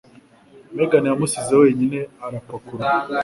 Megan yamusize wenyine, arapakurura.